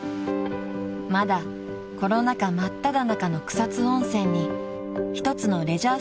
［まだコロナ禍真っただ中の草津温泉に一つのレジャー